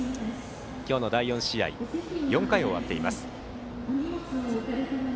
今日の第４試合４回終わっています。